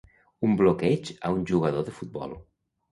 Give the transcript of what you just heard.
un bloqueig a un jugador de futbol